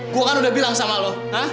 gue kan udah bilang sama lo